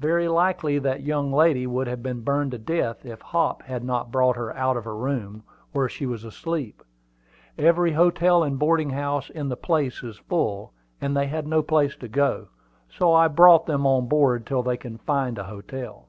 Very likely that young lady would have been burned to death if Hop had not brought her out of her room, where she was asleep. Every hotel and boarding house in the place is full, and they had no place to go: so I brought them on board till they can find a hotel."